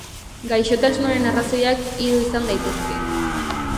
Gaixotasunaren arrazoiak hiru izan daitezke.